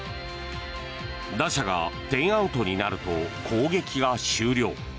打者が１０アウトになると攻撃が終了。